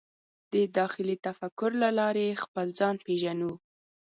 د داخلي تفکر له لارې خپل ځان پېژنو.